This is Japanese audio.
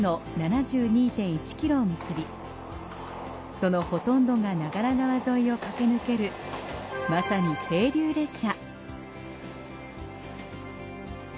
そのほとんどが長良川沿いを駆け抜ける、まさに清流列車。